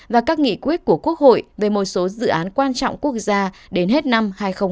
và các nghị quyết của quốc hội về một số dự án quan trọng quốc gia đến hết năm hai nghìn hai mươi